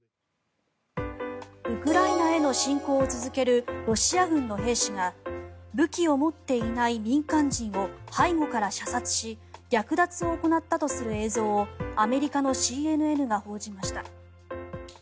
ウクライナへの侵攻を続けるロシア軍の兵士が武器を持っていない民間人を背後から射殺し略奪を行ったとする映像をアメリカのＣＮＮが報じました。